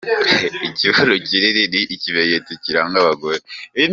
Ikibuno kinini ni ikimenyetso kiranga abagore.